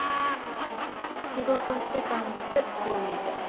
仕事してたんですこう見えて。